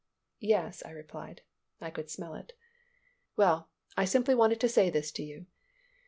"Yes," I replied. (I could smell it.) "Well, I simply wanted to say this to you."